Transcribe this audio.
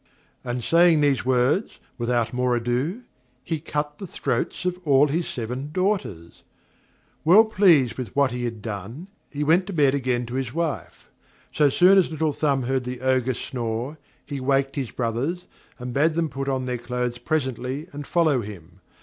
And saying these words, without more ado, he cut the throats of all his seven daughters. Well pleased with what he had done, he went to bed again to his wife. So soon as Little Thumb heard the Ogre snore, he waked his brothers, and bade them put on their clothes presently, and follow him.